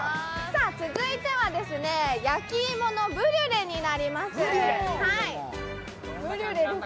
続いては、焼き芋のブリュレになります。